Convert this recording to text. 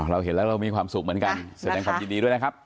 เราเห็นแล้วเรามีความสุขเหมือนกันแสดงความยินดีด้วยนะครับ